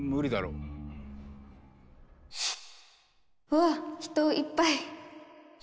うわっ人いっぱい。